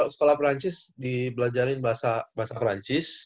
sekolah perancis dipelajarin bahasa perancis